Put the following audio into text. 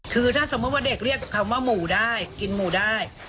คือถ้าสมมุติว่าเด็กเรียกคำว่าหมูได้กินหมูได้